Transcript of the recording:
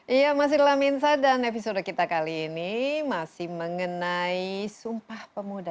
iya masih dalam insa dan episode kita kali ini masih mengenai sumpah pemuda